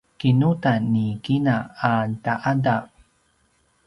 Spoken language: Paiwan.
kinudan ni kina a ta’adav